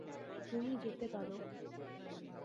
তুমি যেতে পারো!